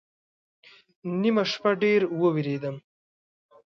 نیمه شپه ډېر ووېرېدم